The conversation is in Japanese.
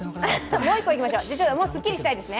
もう１個いきましょう、すっきりしたいですね。